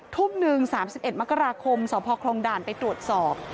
ทุ่มหนึ่ง๓๑มกราคมสพคลองด่านไปตรวจสอบ